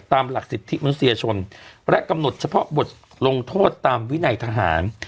ตามหลักสิทธิมนุษยชนและกำหนดเฉพาะบทลงโทษตามวินัยทหาร